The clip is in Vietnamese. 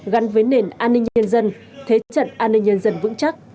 gắn với nền an ninh nhân dân thế trận an ninh nhân dân vững chắc